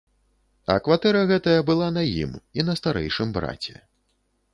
А кватэра гэтая была на ім і на старэйшым браце.